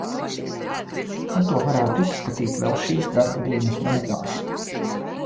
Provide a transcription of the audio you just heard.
Tad to varētu izskatīt vēl šīs darba dienas beigās.